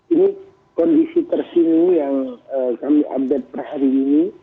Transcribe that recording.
ini kondisi tersinggung yang kami update per hari ini